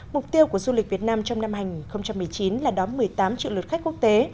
mục tiêu của du lịch việt nam trong năm hai nghìn một mươi chín là đón một mươi tám triệu lượt khách quốc tế